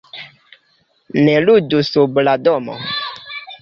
Ne ludu sub la domo!